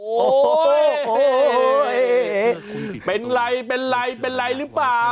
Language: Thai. โอ้โหลเห้ยเห้ยเห้ยเห้ยเป็นอะไรเป็นอะไรเป็นอะไรหรือเปล่า